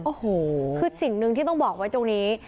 โอ้โหคือสิ่งหนึ่งที่ต้องบอกไว้ตรงนี้